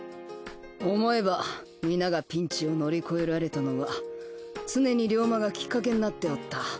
思えば皆がピンチを乗り越えられたのは常にリョーマがきっかけになっておった。